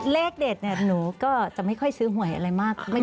เลขเด็ดเนี่ยหนูก็จะไม่ค่อยซื้อหวยอะไรมาก